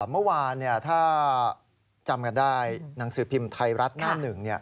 เมื่อวานถ้าจำกันได้หนังสือพิมพ์ไทยรัฐหน้าหนึ่ง